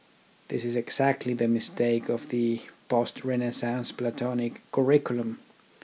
This is exactly the mistake of the post renaissance Platonic curriculum.